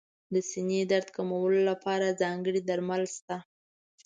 د سینې درد کمولو لپاره ځانګړي درمل شته.